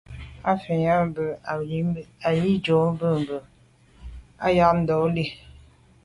À’ fə̂ nyɑ́ gə̀ bə́ â Ahidjò mbɑ́ bə̀k bə́ á yá ndɔ̌n lî.